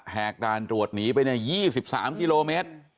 ด่านตรวจหนีไป๒๓กิโลเมตร